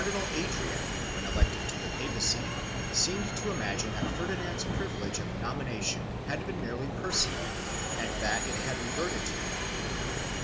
I] THE INQ UISITOR GENERALSHIP 303 Adrian, when elected to the papacy, seemed to imagine that Ferdinand's privilege of nomination had been merely personal and that it had reverted to him.